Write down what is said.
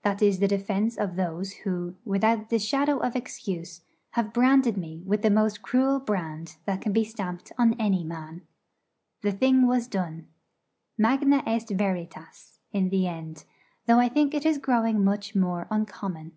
That is the defence of those who, without the shadow of excuse, have branded me with the most cruel brand that can be stamped on any man. The thing was done. Magna est veritas, in the end: though I think it is growing much more uncommon.